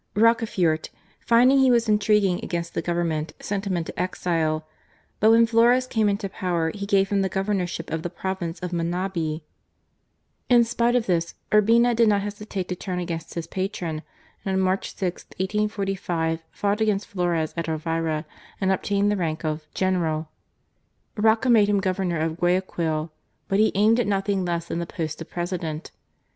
Rocafuerte, finding he was intriguing against the Government, sent him into exile, but when Flores came into power he gave him the Governorship of the province of Manabi. In spite of this, Urbina did not hesitate to turn against his patron, and on March 6, 1845, fought against Flores at Elvira, and obtained the rank of THE DEFENCE OF THE JESUITS. 37 General. Roca made him Governor of Guayaquil, but he aimed at nothing less than the post of President.